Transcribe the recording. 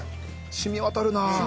染み渡る。